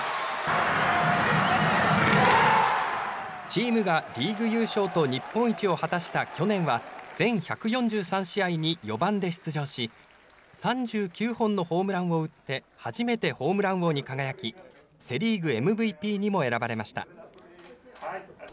チームがリーグ優勝と日本一を果たした去年は全１４３試合に４番で出場し３９本のホームランを打って初めてホームラン王に輝きセ・リーグＭＶＰにも選ばれました。